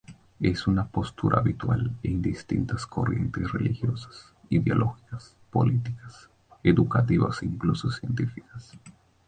Es una postura habitual en distintas corrientes religiosas, ideológicas, políticas, educativas e incluso científicas.